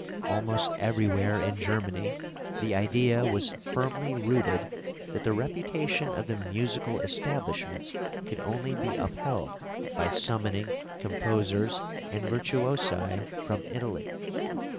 Almost everywhere in Germany the idea was firmly rooted that the reputation of the musical establishments could only be upheld by summoning composers and virtuosi from Italy.